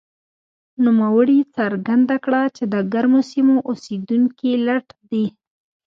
نوموړي څرګنده کړه چې د ګرمو سیمو اوسېدونکي لټ دي.